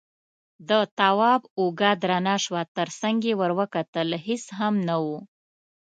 د تواب اوږه درنه شوه، تر څنګ يې ور وکتل، هېڅ هم نه و.